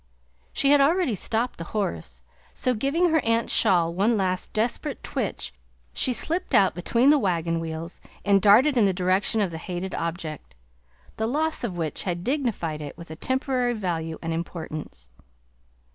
She had already stopped the horse, so, giving her aunt's shawl one last desperate twitch, she slipped out between the wagon wheels, and darted in the direction of the hated object, the loss of which had dignified it with a temporary value and importance.